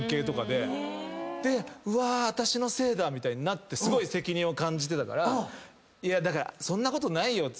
で「私のせいだ」みたいになってすごい責任を感じてたからいやそんなことないよっつって。